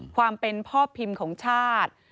ความเป็นพ่อพิมพ์ของชาติ